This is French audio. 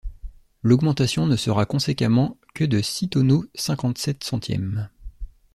L’augmentation ne sera conséquemment que de six tonneaux cinquante-sept centièmes.